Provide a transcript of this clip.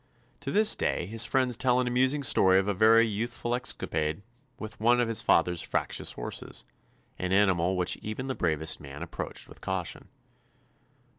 To this day his friends tell an amusing story of a very youthful escapade with one of his father's fractious horses, an animal which even the bravest man ap proached with caution.